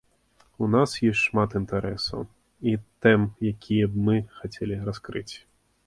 У нас ёсць шмат інтарэсаў і тэм, якія б мы хацелі раскрыць.